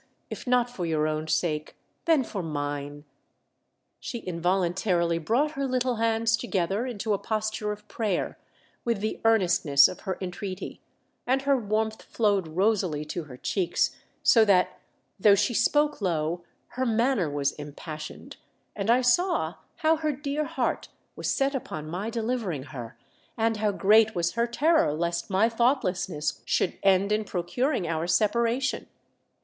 If not for your own sake, then for mme ! She involuntarily brought her little hands together into a posture of prayer with the earnestness of her entreaty, and her warmth flowed rosily to her cheeks, so that, though she spoke low, her manner was impassioned, and I saw how her dear heart was set upon my delivering her, and how great was her terror lest my thoughtlessness should end in procuring our separation.